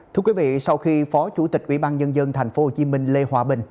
thưa quý vị sau khi phó chủ tịch ubnd tp hcm lê hòa bình